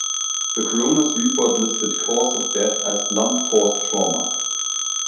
The coroner's report listed cause of death as blunt force trauma.